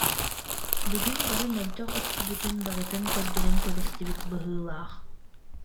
Бүгүн бары мөлтөх өттүбүтүн барытын көрдөрөн кэбистибит быһыылаах